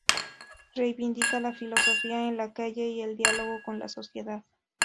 Reivindica la filosofía en la calle y el diálogo con la sociedad.